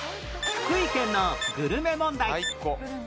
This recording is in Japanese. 福井県のグルメ問題